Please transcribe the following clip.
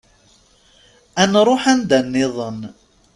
Ad nruḥ anda-nniḍen.